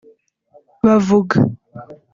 bavuga